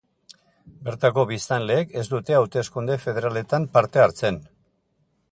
Bertako biztanleek ez dute hauteskunde federaletan parte hartzen.